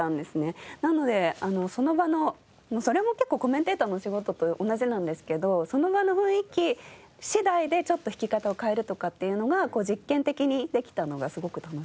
なのでその場のそれも結構コメンテーターのお仕事と同じなんですけどその場の雰囲気次第でちょっと弾き方を変えるとかっていうのが実験的にできたのがすごく楽しかったですね。